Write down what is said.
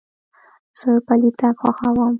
زه پلي تګ خوښوم.